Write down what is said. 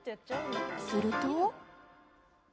すると。